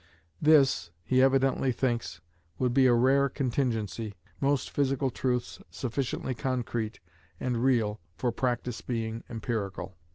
This, he evidently thinks, would be a rare contingency, most physical truths sufficiently concrete and real for practice being empirical.